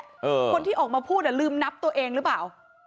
คนที่ออกมาพูดอ่ะลืมนับตัวเองหรือเปล่า